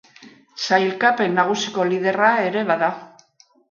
Sailkapen nagusiko liderra ere bada.